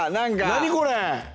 何これ？